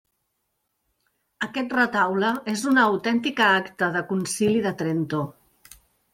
Aquest retaule és una autèntica acta de Concili de Trento.